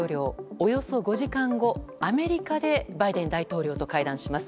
およそ５時間後、アメリカでバイデン大統領と会談します。